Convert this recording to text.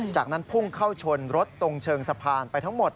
จากนั้นพุ่งเข้าชนรถตรงเชิงสะพานไปทั้งหมด